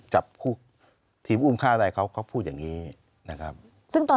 จับพวกทีมอุ้มฆ่าอะไรเขาเขาพูดอย่างนี้นะครับซึ่งตอน